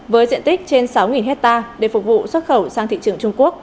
với diện tích trên sáu hectare để phục vụ xuất khẩu sang thị trường trung quốc